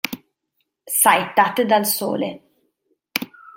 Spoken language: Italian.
Saettate dal sole.